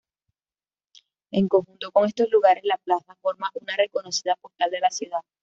En conjunto con estos lugares, la plaza forma una reconocida postal de la ciudad.